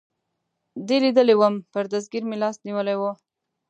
دې لیدلی ووم، پر دستګیر مې لاس نیولی و.